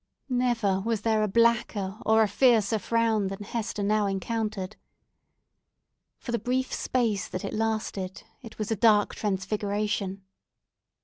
Never was there a blacker or a fiercer frown than Hester now encountered. For the brief space that it lasted, it was a dark transfiguration.